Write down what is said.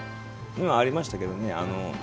ありましたけどね。